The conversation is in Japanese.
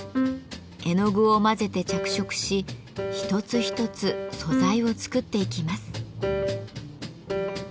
絵の具を混ぜて着色し一つ一つ素材を作っていきます。